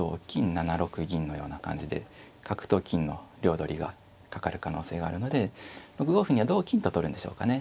７六銀のような感じで角と金の両取りがかかる可能性があるので６五歩には同金と取るんでしょうかね。